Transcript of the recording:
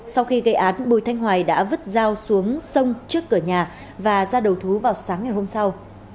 sau khi gây án bùi thanh hoài đã vứt dao xuống sông trước cửa nhà và ra đầu thú vào sáng ngày hôm sau